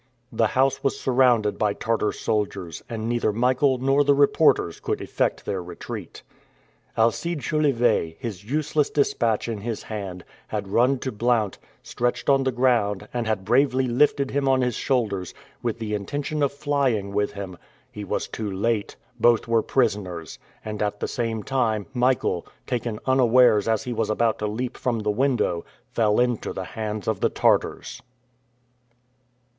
The house was surrounded by Tartar soldiers, and neither Michael nor the reporters could effect their retreat. Alcide Jolivet, his useless dispatch in his hand, had run to Blount, stretched on the ground, and had bravely lifted him on his shoulders, with the intention of flying with him. He was too late! Both were prisoners; and, at the same time, Michael, taken unawares as he was about to leap from the window, fell into the hands of the Tartars!